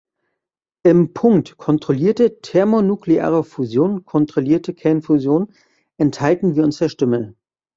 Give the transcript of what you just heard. Im Punkt "Kontrollierte thermonukleare Fusion, kontrollierte Kernfusion" enthalten wir uns der Stimme.